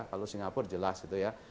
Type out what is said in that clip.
kalau singapura jelas gitu ya